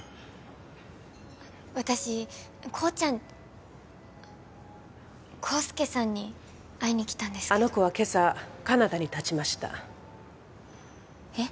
あの私コウちゃん康介さんに会いに来たんですけどあの子は今朝カナダにたちましたえっ？